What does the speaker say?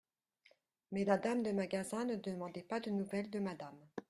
Mais la dame de magasin ne demandait pas de nouvelles de madame.